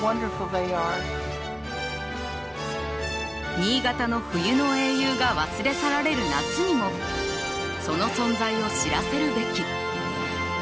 「新潟の冬の英雄が忘れ去られる夏にもその存在を知らせるべき」。